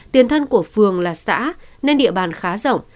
tiền thân của phường là xã nên địa bàn khá rộng